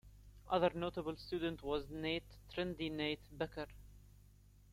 Another notable student was Nate "Trendy Nate" Becker.